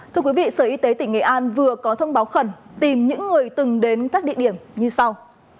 thưa quý vị sở y tế tỉnh nghệ an vừa có thông báo khẩn tìm những người từng đến các địa điểm như sau